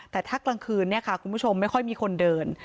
แต่ถ้ากลางคืนคุณผู้ชมไม่ค่อยมีคนเดิน